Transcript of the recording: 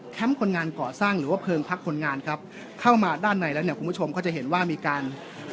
คนงานก่อสร้างหรือว่าเพลิงพักคนงานครับเข้ามาด้านในแล้วเนี่ยคุณผู้ชมก็จะเห็นว่ามีการ